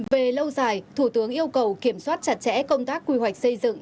về lâu dài thủ tướng yêu cầu kiểm soát chặt chẽ công tác quy hoạch xây dựng